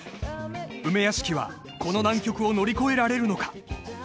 梅屋敷はこの難局を乗り越えられるのか